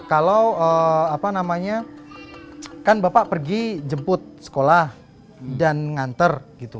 kalau apa namanya kan bapak pergi jemput sekolah dan nganter gitu